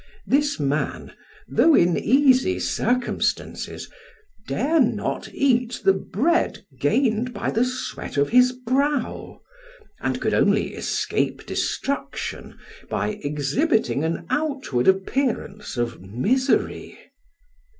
This man, though in easy circumstances, dare not eat the bread gained by the sweat of his brow, and could only escape destruction by exhibiting an outward appearance of misery!